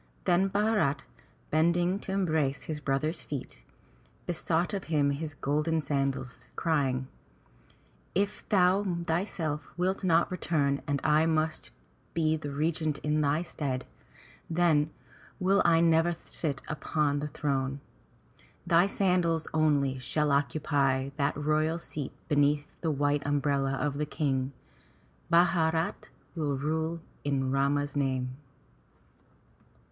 Then Bharat, bending to embrace his brother's feet, besought of him his golden sandals, crying, "If thou thyself wilt not return and I must be the regent in thy stead, then will I never sit upon thy throne. Thy sandals only shall occupy that royal seat beneath the white umbrella of the King. Bharat will rule in Rama's name.